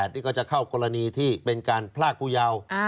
นี่ก็จะเข้ากรณีที่เป็นการพรากผู้เยาว์